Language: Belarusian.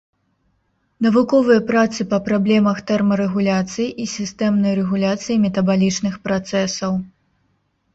Навуковыя працы па праблемах тэрмарэгуляцыі і сістэмнай рэгуляцыі метабалічных працэсаў.